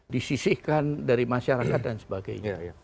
disisihkan dari masyarakat dan sebagainya